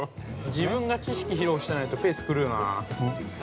自分が知識を披露してないとペース狂うな。